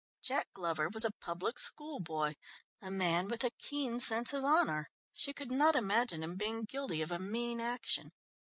Jack Glover was a public school boy, a man with a keen sense of honour. She could not imagine him being guilty of a mean action.